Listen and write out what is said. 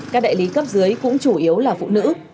các đại lý cấp dưới cũng chủ yếu là phụ nữ